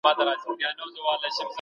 طبیعي پدیدې په لابراتوار کې ازمویل کیږي.